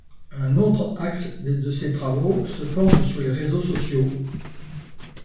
Un autre axe de ses travaux se porte sur les réseaux sociaux.